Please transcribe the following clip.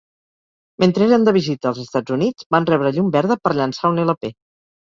Mentre eren de visita als Estats Units van rebre llum verda per llançar un elapé.